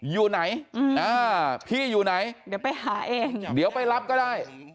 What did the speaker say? อยู่ไหนพี่อยู่ไหนเดี๋ยวไปหาเองเดี๋ยวไปรับก็ได้